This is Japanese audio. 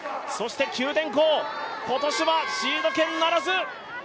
九電工、今年はシード権ならず。